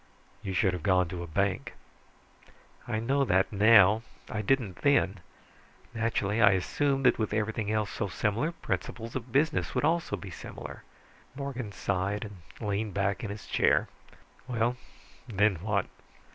"You should have gone to a bank." "I know that now. I didn't then. Naturally, I assumed that with everything else so similar, principles of business would also be similar." Morgan sighed and leaned back in his chair. "Well, then what?"